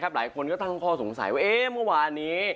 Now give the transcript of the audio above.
หลายคนก็ตั้งข้อสงสัยว่าเมื่อวานนี้